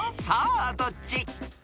さあどっち？］